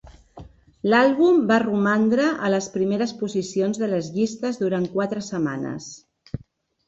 L"àlbum va romandre a les primeres posicions de les llistes durant quatre setmanes.